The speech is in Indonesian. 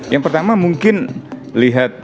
yang pertama mungkin lihat